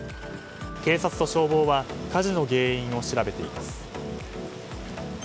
警察と消防は火事の原因を調べています。